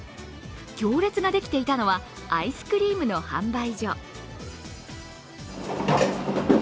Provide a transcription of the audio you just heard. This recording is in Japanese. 行列ができていたのはアイスクリームの販売所。